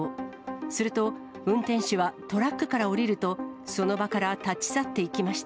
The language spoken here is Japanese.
すると、運転手はトラックから降りると、その場から立ち去っていきました。